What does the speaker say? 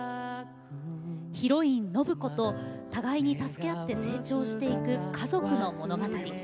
ヒロイン・暢子と互いに助け合って成長していく家族の物語。